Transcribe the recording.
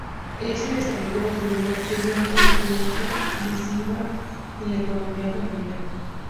Ese desarrollo privado tuvo una influencia decisiva en la economía familiar.